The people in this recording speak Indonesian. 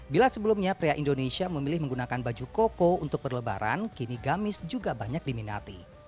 bila sebelumnya pria indonesia memilih menggunakan baju koko untuk berlebaran kini gamis juga banyak diminati